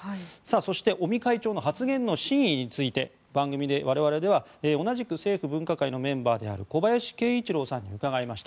そして尾身会長の発言の真意について番組では同じく政府分科会のメンバーでもある小林慶一郎さんに伺いました。